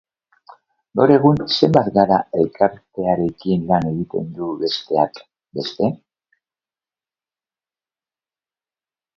Gaur egun, Zenbat Gara elkartearekin lan egiten du, besteak beste.